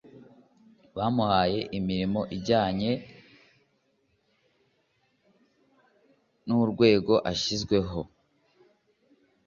bamuhayeimirimo ijyanye n urwego ashyizwemo